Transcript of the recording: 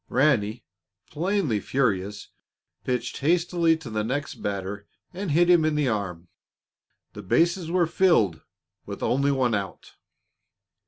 Ranny, plainly furious, pitched hastily to the next batter and hit him in the arm. The bases were filled, with only one out.